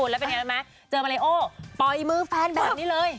แล้วเป็นยังไงรู้ไหมเจอมาริโอปล่อยมือแฟนแบบนี้เลย